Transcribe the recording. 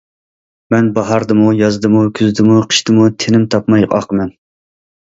مەن باھاردىمۇ، يازدىمۇ، كۈزدىمۇ، قىشتىمۇ تىنىم تاپماي ئاقىمەن.